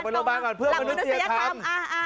ไปโรงพยาบาลก่อนหลักมนุษยธรรม